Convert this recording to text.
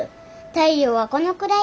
太陽はこのくらい。